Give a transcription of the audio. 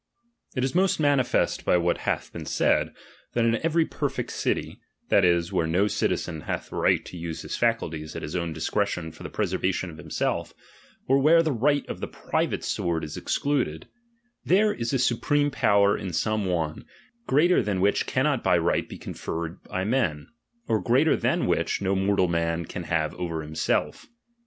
It is most manifest by what hath been said, minion graniod that iu Bvefy pcrfcct city, that is, where no citizen Ken*. Ld^hat hath right to use his faculties at bis own discretion otediM^is'due foi" the preservation of himself, or where the right unto uii. Qf tjjg private sword is excluded ; there is a supreme power in some one, greater than which cannot by right be conferred by men, or greater than which no mortal man can have over himself.